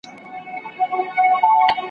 واوری دا د زړه په غوږ، پیغام د پېړۍ څه وايي `